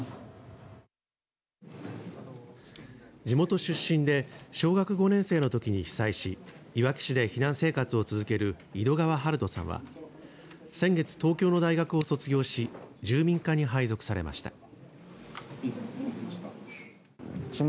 地元出身で小学５年生のときに被災しいわき市で避難生活を続ける井戸川春人さんは先月、東京の大学を卒業し住民課に配属されました。